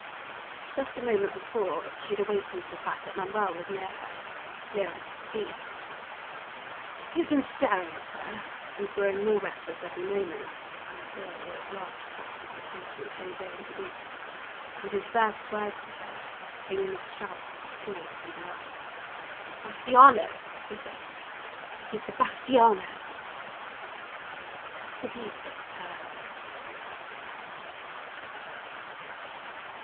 Just a moment before she had awakened to the fact that Manuel was near her near enough to speak. He had been staring at her, and growing more restless every moment, until he had at last attracted the attention of José and Jovita, and his first words to her came amid shouts of applause and delight. "Sebastiano," he said; "it is Sebastiano." Pepita turned to look.